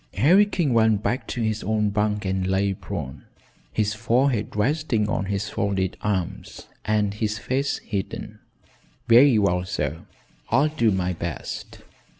Harry King went back to his own bunk and lay prone, his forehead resting on his folded arms and his face hidden. "Very well, sir; I'll do my best.